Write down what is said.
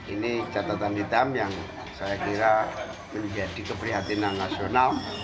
ini catatan hitam yang saya kira menjadi keprihatinan nasional